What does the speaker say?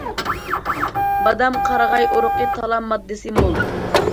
بادام، قارىغاي ئۇرۇقى: تالا ماددىسى مول.